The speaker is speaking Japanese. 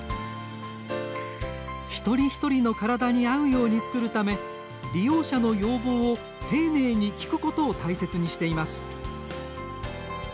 一人一人の体に合うように作るため利用者の要望を丁寧に聞くことを大切にしています。